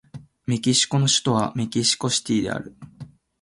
メキシコの首都はメキシコシティである